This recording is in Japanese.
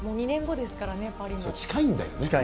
２年後ですから近いんだよね。